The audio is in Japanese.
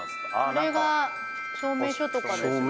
「これが証明書とかですかね？」